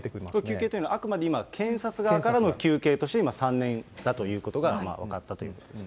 求刑というのはあくまで検察側からの求刑として、今、３年だということが、分かったということです。